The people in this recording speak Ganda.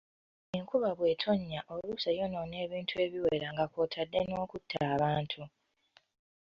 Enkuba bw'etonnya oluusi eyonoona ebintu ebiwera nga kw'otadde n'okutta abantu.